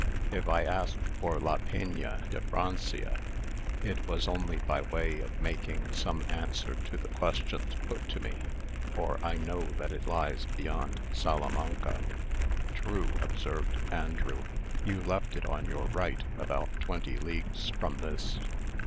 If I asked for La Peña de Francia, it was only by way of making some answer to the questions put to me; for I know that it lies beyond Salamanca." "True," observed Andrew, "you left it on your right, about twenty leagues from this.